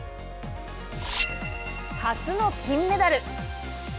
初の金メダル。